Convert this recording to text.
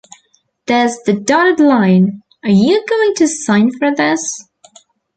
There's the dotted line, are you going to sign for this?